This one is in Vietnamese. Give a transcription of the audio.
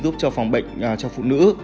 giúp cho phòng bệnh cho phụ nữ